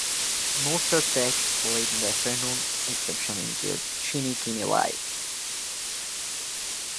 Most are taped late in the afternoon; exceptions include Jimmy Kimmel Live!